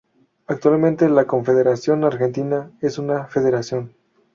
Actualmente la Confederación Argentina es una federación.